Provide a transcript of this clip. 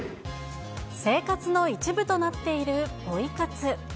生活の一部となっているポイ活。